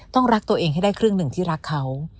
รักตัวเองให้ได้ครึ่งหนึ่งที่รักเขา